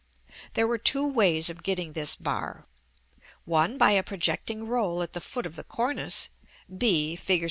There were two ways of getting this bar: one by a projecting roll at the foot of the cornice (b, Fig.